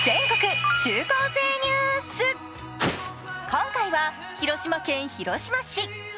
今回は広島県広島市。